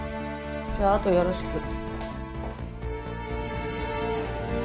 じゃああとよろしく。